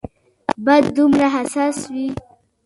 بنده دومره حساس وي.